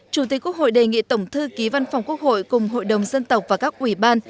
chủ tịch quốc hội đề nghị tổng thư ký văn phòng quốc hội cùng hội đồng dân tộc và các ủy ban